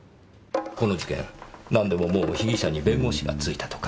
この事件何でももう被疑者に弁護士がついたとか。